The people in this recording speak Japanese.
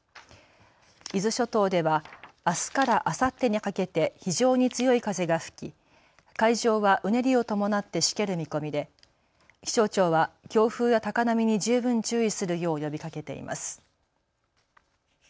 伊豆諸島ではあすからあさってにかけて非常に強い風が吹き海上はうねりを伴ってしける見込みで気象庁は強風や高波に十分注意するよう呼びかけています。